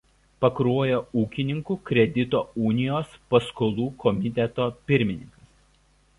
Pakruojo ūkininkų kredito unijos paskolų komiteto pirmininkas.